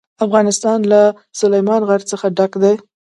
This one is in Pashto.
افغانستان له سلیمان غر څخه ډک دی.